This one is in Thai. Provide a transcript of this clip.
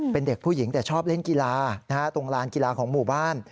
เป็นเด็กผู้หญิงแต่ชอบเล่นกีฬาตรงลานกีฬาของหมู่บ้าน